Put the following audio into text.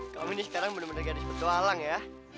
kamu ini sekarang bener bener gadis petualang ya